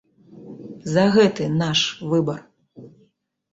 За гэты наш выбар.